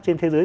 trên thế giới